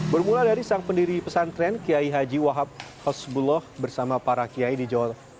bermula dari sang pendiri pesantren kiai haji wahab hosbullah bersama para kiai di jawa